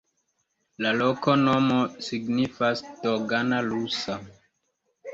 La loknomo signifas: dogana-rusa.